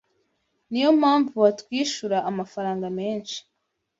Niyo mpamvu batwishura amafaranga menshi.